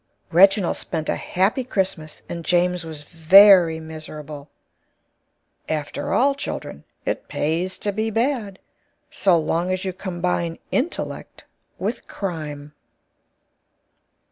Reginald spent a Happy Christmas and James was very Miserable. After all, Children, it Pays to be Bad, so Long as you Combine Intellect with Crime.